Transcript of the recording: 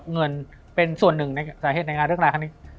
เรื่องเงินเป็นส่วนหนึ่งในสาเหตุในงานเริ่มราคานี้